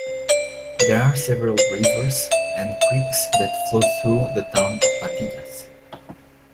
There are several rivers and creeks that flow through the town of Patillas.